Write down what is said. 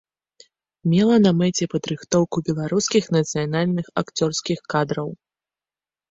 Мела на мэце падрыхтоўку беларускіх нацыянальных акцёрскіх кадраў.